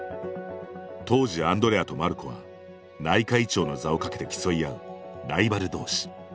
当時アンドレアとマルコは内科医長の座をかけて競い合うライバル同士。